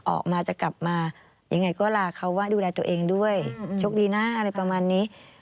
ออกมาจะกลับมายังไงก็ลาเขาว่าดูแลตัวเองด้วยโชคดีนะอะไรประมาณนี้